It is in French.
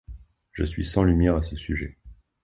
Je suis sans lumières à ce sujet.